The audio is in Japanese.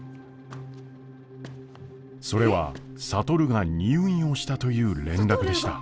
それは智が入院をしたという連絡でした。